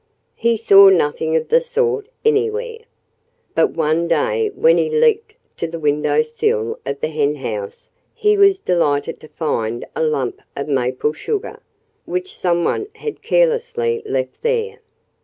He saw nothing of the sort anywhere. But one day when he leaped to the window sill of the henhouse he was delighted to find a lump of maple sugar, which some one had carelessly left there.